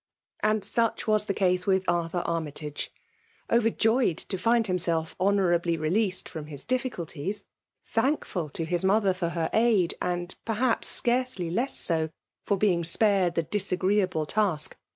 And such was the case with Arthur Army tiige. Oyerjoyed to find himself honourably released from his difficulties, thankful to his mother for her aid, and, perhaps, scarcely less so for being spared the disagreeable task' of VOL.